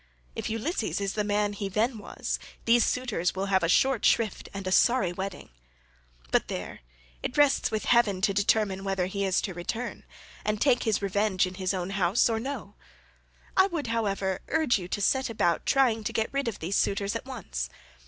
If Ulysses is the man he then was these suitors will have a short shrift and a sorry wedding. "But there! It rests with heaven to determine whether he is to return, and take his revenge in his own house or no; I would, however, urge you to set about trying to get rid of these suitors at once.